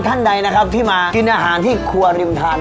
ท่านใดที่มากินอาหารที่ครัวริมทาน